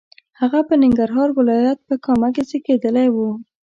هغه په ننګرهار ولایت په کامه کې زیږېدلی و.